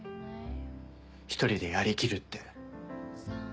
１人でやり切るって。